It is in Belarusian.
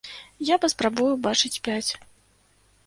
Я паспрабую ўбачыць пяць.